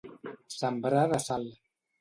Sembrar de sal.